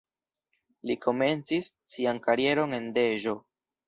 Li komencis sian karieron en Deĵo.